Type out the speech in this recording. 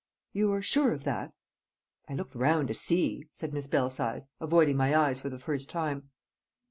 "You are sure of that?" "I looked round to see," said Miss Belsize, avoiding my eyes for the first time.